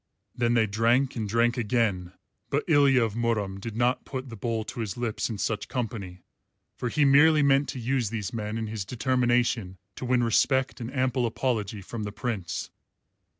Then they drank and drank again; but Ilya of Murom did not put the bowl to his lips in such company, for he merely meant to use these men in his determination to win respect and ample apology from the Prince.